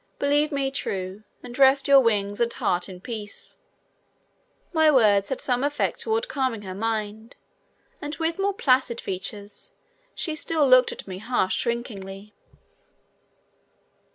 Believe me true, and rest your wings and heart in peace." My words had some effect toward calming her mind and with more placid features she still looked at me half shrinkingly.